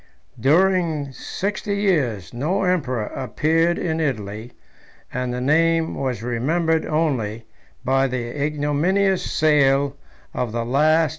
During sixty years, no emperor appeared in Italy, and the name was remembered only by the ignominious sale of the last relics of sovereignty.